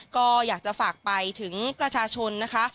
ก็อยากจะฝากไปถึงประชาชนนะคะ